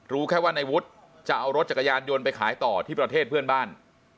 รู้แค่ว่าในวุฒิจะเอารถจักรยานยนต์ไปขายต่อที่ประเทศเพื่อนบ้าน